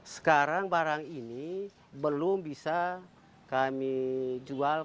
sekarang barang ini belum bisa kami jual